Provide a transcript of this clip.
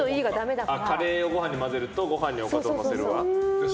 カレーを混ぜるとご飯におかずをのせるね。